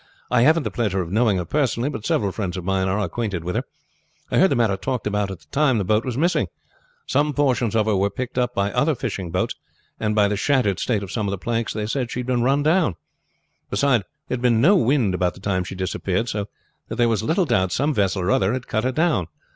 I haven't the pleasure of knowing her personally, but several friends of mine are acquainted with her. I heard the matter talked about at the time the boat was missing. Some portions of her were picked up by other fishing boats, and by the shattered state of some of the planks they said that she had been run down; beside, there had been no wind about the time she disappeared, so that there was little doubt some vessel or other had cut her down.